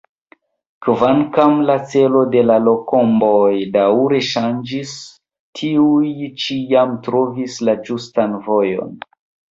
Kvankam la celo de la kolomboj daŭre ŝanĝis, tiuj ĉiam trovis la ĝustan vojon.